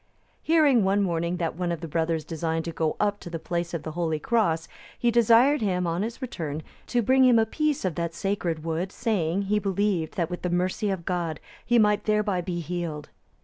Hearing one morning that one of the brothers designed to go up to the place of the holy cross, he desired him, on his return, to bring him a piece of that sacred wood, saying, he believed that with the mercy of God he might thereby be healed.